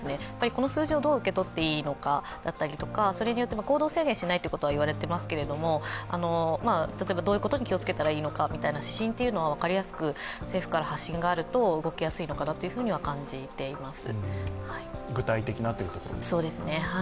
この数字をどう受け取っていいのかだったりとか、それによって行動制限しないというのはいわれていますが例えばどういうことに気をつけた方がいいのかという指針は、政府から発信があると動きやすいのかなとは感じています。